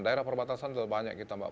daerah perbatasan sudah banyak kita mbak